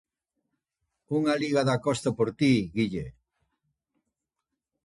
Unha liga da Costa por ti, Guille.